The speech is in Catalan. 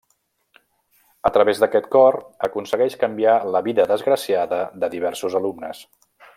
A través d'aquest cor aconsegueix canviar la vida desgraciada de diversos alumnes.